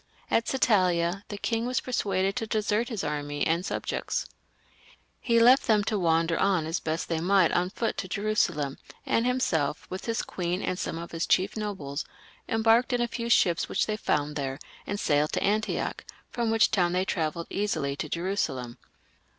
At Satalia the king was persuaded to desert his army and subjects. He left them to wander on as best they might on foot to Jerusalem, and himself, with his queen and some of his chief nobles, embarked in a few ships which they found thete, and sailed to Antioch, from which town they travelled easily to Jerusalem.